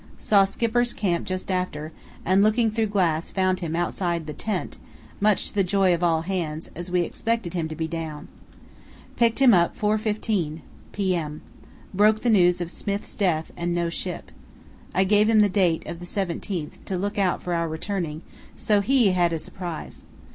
Saw Skipper's camp just after, and looking through glass found him outside tent, much to the joy of all hands, as we expected him to be down. Picked him up 4.15 p.m. Broke the news of Smith's death and no ship. I gave him the date of the 17th to look out for our returning, so he had a surprise.